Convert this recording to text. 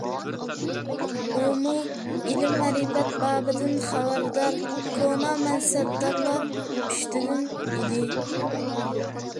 ئۇمۇ ئىلىم - مەرىپەت بابىدىن خەۋەردار كونا مەنسەپدارلار پۇشتىدىن ئىدى.